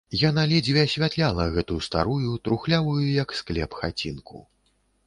Яна ледзьве асвятляла гэтую старую, трухлявую, як склеп, хацінку.